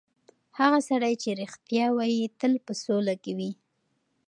هغه سړی چې رښتیا وایي، تل په سوله کې وي.